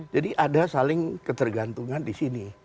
jadi ada saling ketergantungan di sini